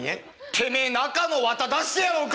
てめえ中の綿出してやろうか！？